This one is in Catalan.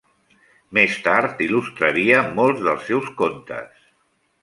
Més tard, il·lustraria molts dels seus contes.